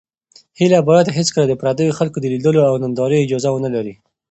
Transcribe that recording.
هیله باید هېڅکله د پردیو خلکو د لیدلو او نندارې اجازه ونه لري.